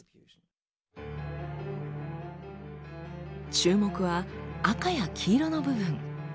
注目は赤や黄色の部分。